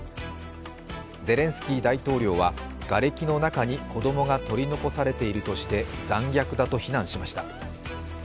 ゼレンスキー大統領はがれきの中に子供が取り残されているとして残虐だと非難しました。